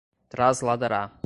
trasladará